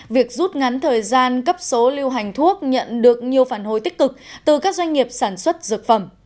việc rút ngắn thời gian cấp số lưu hành thuốc nhận được nhiều phản hồi tích cực từ các doanh nghiệp sản xuất dược phẩm